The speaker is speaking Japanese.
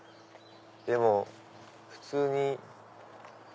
でも普通に。